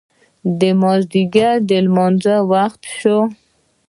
د مازدیګر د لمانځه وخت شو.